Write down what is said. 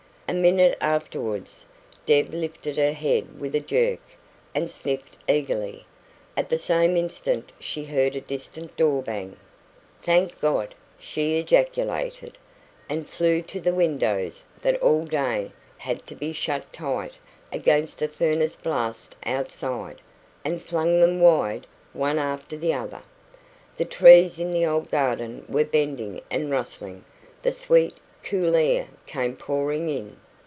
A minute afterwards, Deb lifted her head with a jerk, and sniffed eagerly. At the same instant she heard a distant door bang. "Thank God!" she ejaculated, and flew to the windows that all day had had to be shut tight against the furnace blast outside, and flung them wide, one after the other. The trees in the old garden were bending and rustling; the sweet, cool air came pouring in.